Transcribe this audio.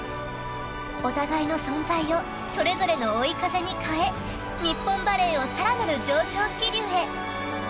お互いの存在をそれぞれの追い風に変え日本バレーを更なる上昇気流へ。